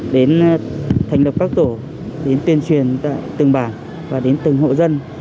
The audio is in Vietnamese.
đến thành lập các tổ tuyên truyền từng bảng và từng hộ dân